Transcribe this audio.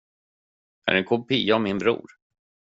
Är det en kopia av min bror?